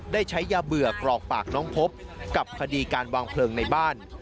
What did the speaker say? ได้ใช้ยาเบื่อกรอกปากน้องพบกับคดีการวางเพลิงในบ้าน